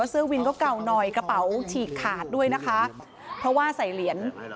มุมนึงคือผมตาแตก